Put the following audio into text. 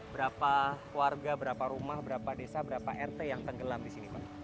berapa warga berapa rumah berapa desa berapa rt yang tenggelam di sini pak